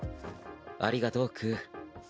ありがとうクー。